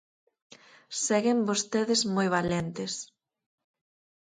Seguen vostedes moi valentes.